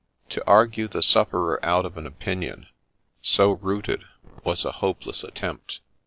To argue the sufferer out of an opinion so rooted was a hopeless attempt.